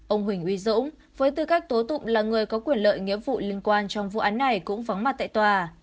ông huỳnh uy dũng với tư cách tố tụng là người có quyền lợi nghĩa vụ liên quan trong vụ án này cũng vắng mặt tại tòa